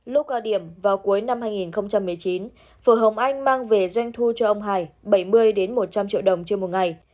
lúc cao điểm vào cuối năm hai nghìn một mươi chín phù hồng anh mang về doanh thu cho ông hải bảy mươi một trăm linh triệu đồng trên một ngày